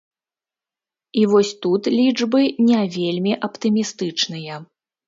І вось тут лічбы не вельмі аптымістычныя.